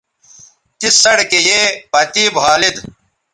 تس سڑکے یے پتے بھالید